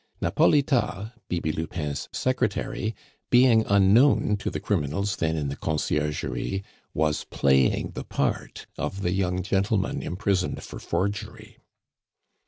Napolitas, Bibi Lupin's secretary, being unknown to the criminals then in the Conciergerie, was playing the part of the young gentlemen imprisoned for forgery.